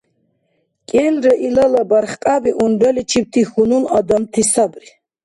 КӀелра илала бархкьяби унраличибти хьунул адамти сабри.